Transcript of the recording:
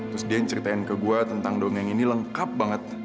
terus dia yang ceritain ke gua tentang dongeng ini lengkap banget